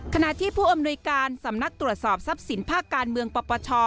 ขณะที่ผู้อำนวยการสำนักตรวจสอบทรัพย์สินภาคการเมืองปปช